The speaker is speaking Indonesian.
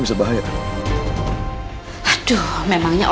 karena adanya rebelin great